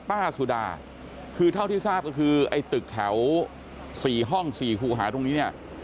สุดาคือเท่าที่ทราบก็คือไอ้ตึกแถว๔ห้อง๔คู่หาตรงนี้เนี่ย